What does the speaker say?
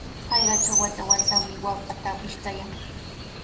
Hallqatraw wata-watami waakata pishtayan.